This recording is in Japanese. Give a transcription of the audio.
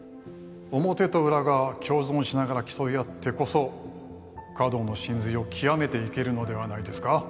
表と裏が共存しながら競い合ってこそ華道の神髄を究めていけるのではないですか